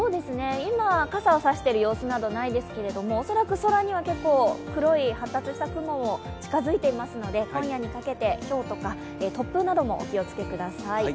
今、傘を差している様子などないですけれども恐らく空には黒い発達した雲も近づいていますので今夜にかけてひょうとか突風などもお気をつけください。